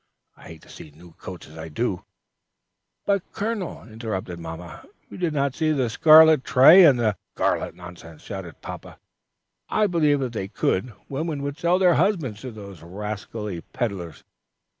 I hate new coats as I do " "But, colonel," interrupted mamma, "you did not see the scarlet tray, and the " "Scarlet nonsense," shouted papa; "I believe, if they could, women would sell their husbands to those rascally peddlers!"